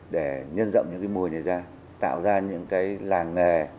để nhân rộng những mùi này ra tạo ra những làng nghề